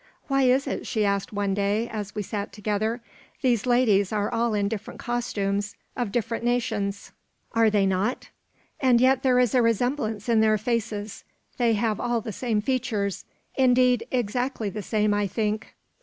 "Why is it?" she asked one day, as we sat together. "These ladies are all in different costumes, of different nations; are they not? and yet there is a resemblance in their faces! They have all the same features; indeed, exactly the same, I think."